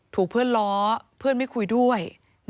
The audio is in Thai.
ถูกเพื่อนล้อเพื่อนไม่คุยด้วย